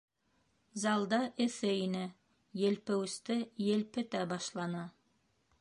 Залда эҫе ине, елпеүесте елпетә башланы.